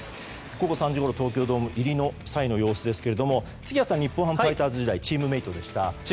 午後３時ごろ東京ドーム入りの際の様子ですが杉谷さん日本ハムファイターズ時代チームメートでした。